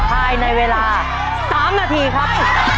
ภายในเวลา๓นาทีครับ